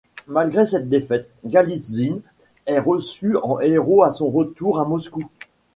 Malgré cette défaite, Galitzine est reçu en héros à son retour à Moscou.